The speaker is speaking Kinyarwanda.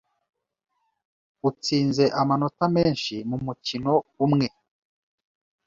utsinze amanota menshi mu mukino umwe